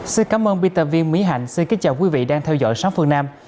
xin cảm ơn peter vinh mỹ hạnh xin kính chào quý vị đang theo dõi sáng phương nam